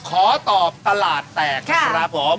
ขอตอบตลาดแตกนะครับผม